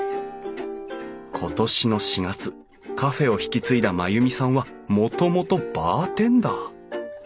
今年の４月カフェを引き継いだまゆみさんはもともとバーテンダー！